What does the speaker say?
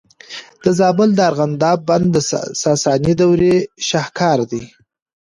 د زابل د ارغنداب بند د ساساني دورې شاهکار دی